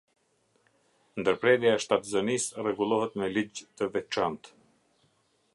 Ndërprerja e shtatzënisë rregullohet me ligj të veçantë.